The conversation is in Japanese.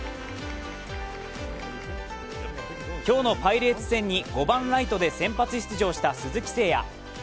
今日のパイレーツ戦に５番・ライトで先発出場した鈴木誠也。